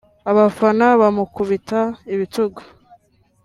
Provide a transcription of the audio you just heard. abafana bamukubita ibitugu